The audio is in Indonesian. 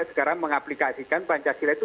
sekarang mengaplikasikan pancasila itu